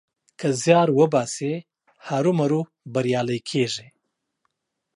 که زيار وباسې؛ هرو مرو بريالی کېږې.